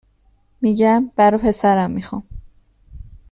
میگم: برا پسرم میخوام